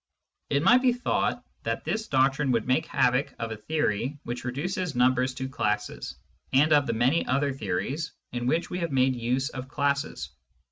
It might be thought that this doctrine wovdd make havoc of a theory which reduces numbers to classes, and of the many other theories in which we have made use of classes.